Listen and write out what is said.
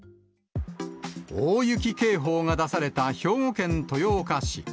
大雪警報が出された兵庫県豊岡市。